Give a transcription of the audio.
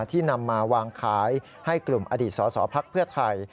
ที่นำมาวางขายให้กลุ่มอดิษฐ์สอสอภักดิ์เพื่อไทย